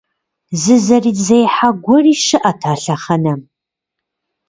Зы зэрызехьэ гуэри щыӏат а лъэхъэнэм.